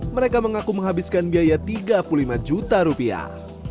mereka mengaku menghabiskan biaya tiga puluh lima juta rupiah